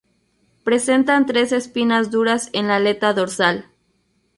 Presentan tres espinas duras en la aleta dorsal.